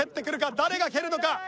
誰が蹴るのか？